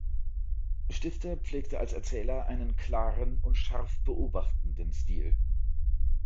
Stifter pflegte als Erzähler einen klaren und scharf beobachtenden Stil.